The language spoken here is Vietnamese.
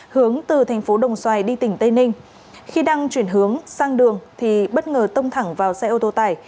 hướng từ thành phố đồng xoài đi tỉnh tây ninh khi đang chuyển hướng sang đường thì bất ngờ tông thẳng vào xe ô tô tải